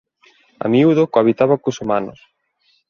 A miúdo cohabita cos humanos.